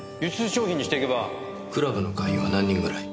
クラブの会員は何人ぐらい？